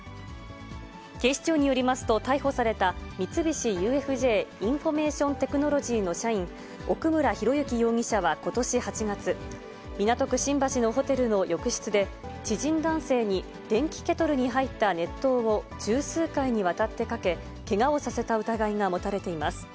警視庁によりますと、逮捕された、三菱ＵＦＪインフォメーションテクノロジーの社員、奥村啓志容疑者はことし８月、港区新橋のホテルの浴室で、知人男性に電気ケトルに入った熱湯を十数回にわたってかけ、けがをさせた疑いが持たれています。